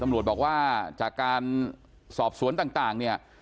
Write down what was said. ตำรวจบอกว่าจากการสอบสวนต่างเนี่ย